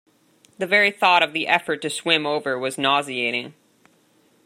The very thought of the effort to swim over was nauseating.